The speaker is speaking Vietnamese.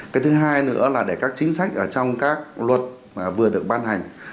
cái thứ hai nữa là để các chính sách trong các luật vừa được ban hành